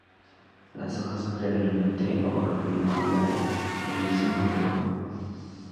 Las hojas son generalmente orbiculares, de allí su nombre común.